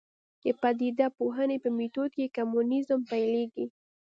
د پدیده پوهنې په میتود کې کمونیزم پیلېږي.